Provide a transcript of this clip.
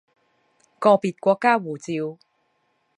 個別國家護照